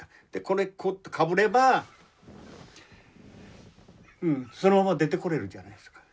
これこうかぶればそのまま出てこれるじゃないですか。